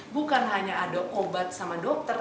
bukan hanya ada obat sama dokter